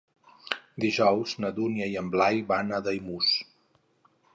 Dijous na Dúnia i en Blai van a Daimús.